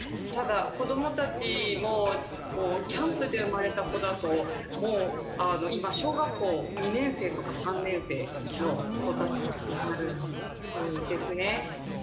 ただ子どもたちもキャンプで生まれた子だともう今小学校２年生とか３年生の子たちになるんですね。